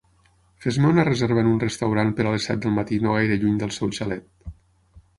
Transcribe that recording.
Fes-me una reserva en un restaurant per a les set del matí no gaire lluny del seu xalet